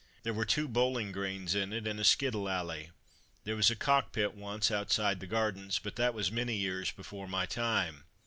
There were two bowling greens in it, and a skittle alley. There was a cockpit once, outside the gardens; but that was many years before my time.